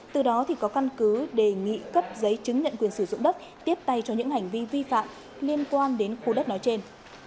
từ đó có căn cứ đề nghị cấp giấy chứng nhận quyền sử dụng đất tiếp tay cho những hành vi vi phạm liên quan đến khu đất nói trên